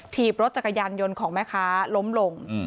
ถีบรถจักรยานยนต์ของแม่ค้าล้มลง